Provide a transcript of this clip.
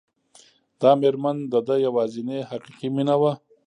دا مېرمن د ده يوازېنۍ حقيقي مينه وه.